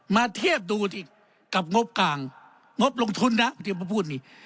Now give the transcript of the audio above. มาเทียบดูสิกับงบกลางงบลงทุนนะที่มาพูดนี่